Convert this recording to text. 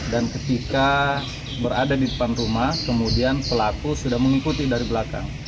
dan ketika berada di depan rumah kemudian pelaku sudah mengikuti dari belakang